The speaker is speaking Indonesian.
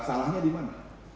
salahnya di mana